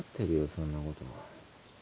そんなこと。